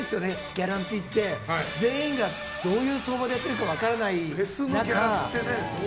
ギャランティーって全員がどういう相場でやってるか分からない中。